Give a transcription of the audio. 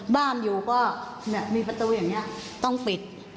บ้านอยู่ก็มีประตูอย่างนี้ต้องปิด